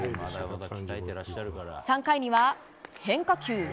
３回には変化球。